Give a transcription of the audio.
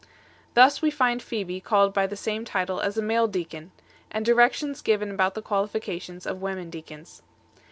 Thus we find Phoebe called by the same title as a male deacon 8 , and directions given about the qualifications of women deacons 9